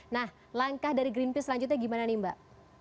nah langkah dari greenpeace selanjutnya gimana nih mbak